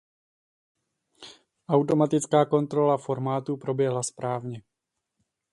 Automatická kontrola formátu proběhla správně.